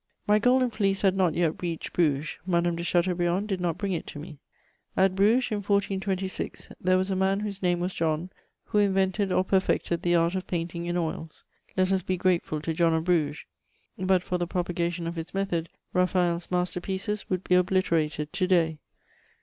My Golden Fleece had not yet reached Bruges, Madame de Chateaubriand did not bring it to me. At Bruges, in 1426, "there was a man whose name was John," who invented or perfected the art of painting in oils: let us be grateful to John of Bruges; but for the propagation of his method, Raphael's master pieces would be obliterated to day.